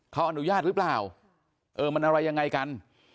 เขาอนุญาตหรือเปล่าเออมันอะไรยังไงกัน